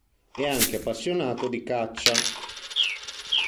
È anche appassionato di caccia.